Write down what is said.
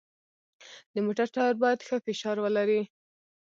د موټر ټایر باید ښه فشار ولري.